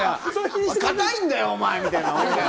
硬いんだよお前、みたいな。